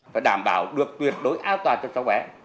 phải đảm bảo được tuyệt đối an toàn cho xã hội